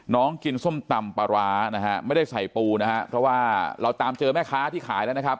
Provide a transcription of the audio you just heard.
น้องกินส้มตำปลาร้านะฮะไม่ได้ใส่ปูนะฮะเพราะว่าเราตามเจอแม่ค้าที่ขายแล้วนะครับ